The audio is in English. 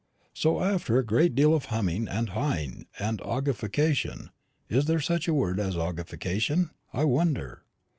So, after a great deal of humming, and haing, and argufication is there such a word as 'argufication,' I wonder?